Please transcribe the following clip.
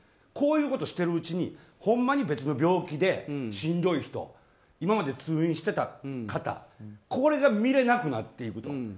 こういうことをしているうちにほんまに別の病気でしんどい人今まで通院していた方これが診れなくなっていくと。